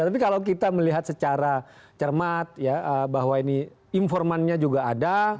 tapi kalau kita melihat secara cermat ya bahwa ini informannya juga ada